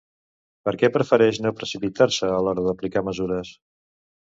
Per què prefereix no precipitar-se a l'hora d'aplicar mesures?